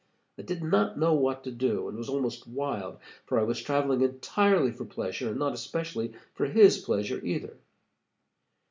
I did not know what to do, and was almost wild, for I was traveling entirely for pleasure, and not especially for his pleasure either.